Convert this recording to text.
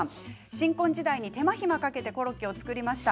新婚時代に手間暇かけてコロッケを作りました。